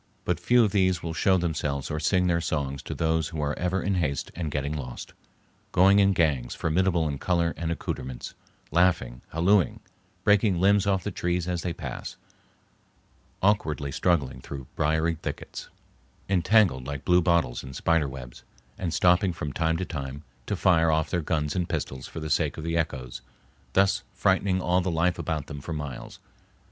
But few of these will show themselves or sing their songs to those who are ever in haste and getting lost, going in gangs formidable in color and accoutrements, laughing, hallooing, breaking limbs off the trees as they pass, awkwardly struggling through briery thickets, entangled like blue bottles in spider webs, and stopping from time to time to fire off their guns and pistols for the sake of the echoes, thus frightening all the life about them for miles.